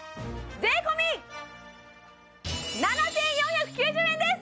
税込７４９０円です！